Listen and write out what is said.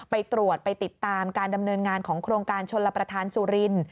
ไปตรวจไปติดตามการดำเนินงานของโครงการชนรับประทานสุรินทร์